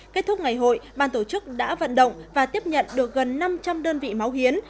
kết thúc ngày hội ban tổ chức đã vận động và tiếp nhận được gần năm trăm linh đơn vị máu hiến